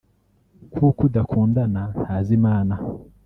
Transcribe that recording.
kuko udakundana ntazi Imana